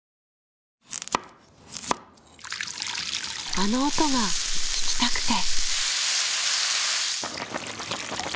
あの音が聞きたくて。